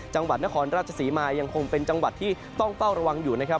จังหวัดนครราชศรีมายังคงเป็นจังหวัดที่ต้องเฝ้าระวังอยู่นะครับ